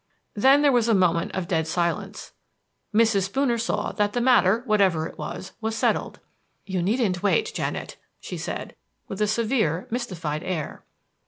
Then there was a moment of dead silence. Mrs. Spooner saw that the matter, whatever it was, was settled. "You needn't wait, Janet!" she said, with a severe, mystified air.